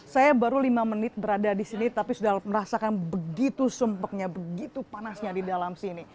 saya baru lima menit berada di sini tapi sudah merasakan begitu sempetnya begitu panasnya di dalam sini